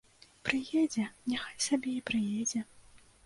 Прыедзе, няхай сабе і прыедзе.